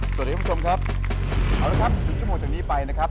คุณผู้ชมครับเอาละครับ๑ชั่วโมงจากนี้ไปนะครับ